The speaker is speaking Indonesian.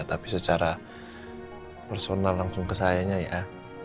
tapi secara personal langsung ke sayanya ya